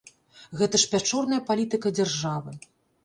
Гэта ж пячорная палітыка дзяржавы!